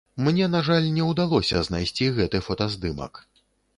Мне, на жаль, не ўдалося знайсці гэты фотаздымак.